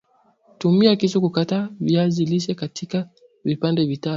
Tumia kisu kukata viazi lishe katika vipande vipande